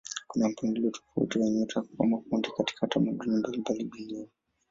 Kuna mpangilio tofauti wa nyota kwa makundi katika tamaduni mbalimbali duniani.